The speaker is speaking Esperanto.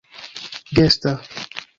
gesta